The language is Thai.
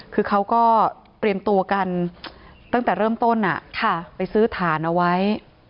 คือเขาก็เตรียมตัวกันตั้งแต่เริ่มต้นไปซื้อฐานเอาไว้